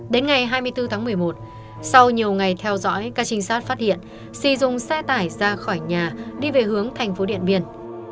đến ngày hai mươi bốn tháng một mươi một sau nhiều ngày theo dõi các trinh sát phát hiện sì dùng xe tải ra khỏi nhà đi về hướng thành phố điện biên